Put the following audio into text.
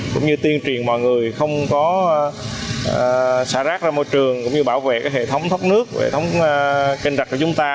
cũng như tiên truyền mọi người không xả rác ra môi trường cũng như bảo vệ hệ thống thấp nước hệ thống kênh rạch của chúng ta